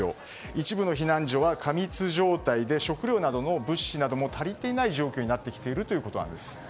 一部の避難所は過密状態で食料などの物資なども足りていない状況になってきているということです。